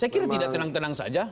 saya kira tidak tenang tenang saja